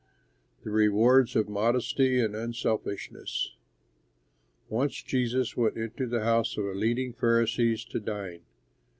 THE REWARDS OF MODESTY AND UNSELFISHNESS Once Jesus went into the house of a leading Pharisee to dine.